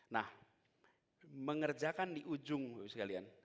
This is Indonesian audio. nah mengerjakan di ujung ibu sekalian